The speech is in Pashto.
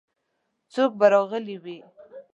څوک به راغلي وي؟